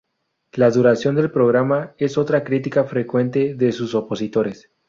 La duración del programa es otra crítica frecuente de sus opositores.